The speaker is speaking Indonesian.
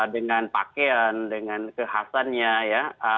dengan pakaian dengan kekhasannya ya